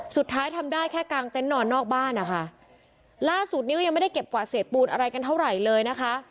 ทำได้แค่กางเต็นต์นอนนอกบ้านนะคะล่าสุดนิ้วยังไม่ได้เก็บกว่าเศษปูนอะไรกันเท่าไหร่เลยนะคะ